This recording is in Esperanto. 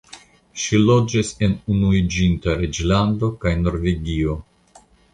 Ŝi loĝis en Unuiĝinta Reĝlando kaj Norvegio.